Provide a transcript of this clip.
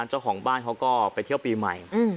เจ้าของบ้านเขาก็ไปเที่ยวปีใหม่